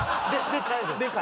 で帰る。